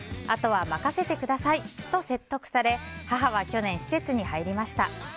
あとは任せてくださいと説得され母は去年施設に入りました。